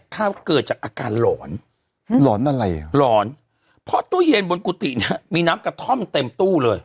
ว่าเกิดจากอาการหลอนหลอนอะไรอ่ะหลอนเพราะตู้เย็นบนกุฏิเนี่ยมีน้ำกระท่อมเต็มตู้เลย